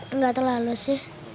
enggak terlalu sih